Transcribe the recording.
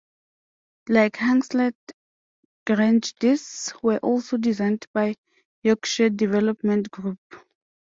Like Hunslet Grange these were also designed by Yorkshire Development Group.